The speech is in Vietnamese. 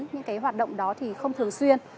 những cái hoạt động đó thì không thường xuyên